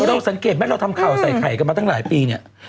เราสังเกตไหมเราทำข่าวใส่ไข่กันมาตั้งหลายปีเนี่ย